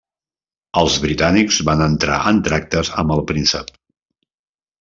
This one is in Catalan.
Els britànics van entrar en tractes amb el príncep.